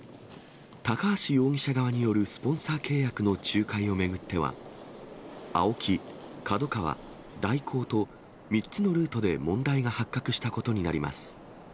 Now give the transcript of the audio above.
高橋容疑者側によるスポンサー契約の仲介を巡っては、ＡＯＫＩ、ＫＡＤＯＫＡＷＡ、大広と、３つのルートで問題が発覚したことになります。